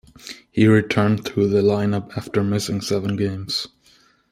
He returned to the line-up after missing seven games.